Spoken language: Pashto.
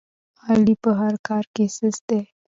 علي په هر کار کې سست دی.